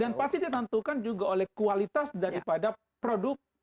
dan pasti ditentukan juga oleh kualitas daripada produk